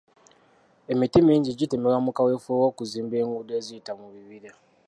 Emiti mingi gitemebwa mu kaweefube w'okuzimba enguudo eziyita mu bibira.